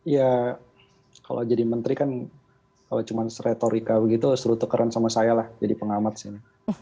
ya kalau jadi menteri kan kalau cuma retorika begitu suruh tukaran sama saya lah jadi pengamat sih